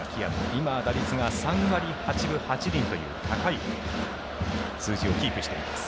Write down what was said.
今、打率が３割８分８厘という高い打率をキープしています。